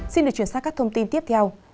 xin được chuyển sang các thông tin tiếp theo